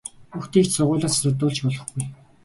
Хүүхдийг ч сургуулиас завсардуулж болохгүй!